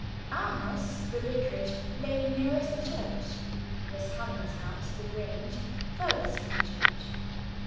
Our house, the vicarage, lay nearest the church; Miss Hallam's house, the Grange, furthest from the church.